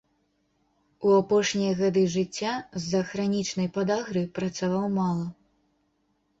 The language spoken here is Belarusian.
У апошнія гады жыцця з-за хранічнай падагры працаваў мала.